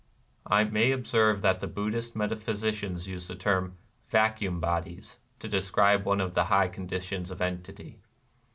(I may observe that Buddhist metaphysicians use the term " vacuum bodies " to describe one of the high conditions of entity.)